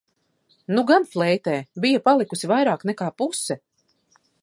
Nu gan fleitē, bija palikusi vairāk nekā puse!